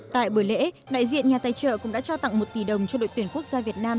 tại bữa lễ đại diện nhà tài trợ cũng đã trao tặng một tỷ đồng cho đội tuyển quốc gia việt nam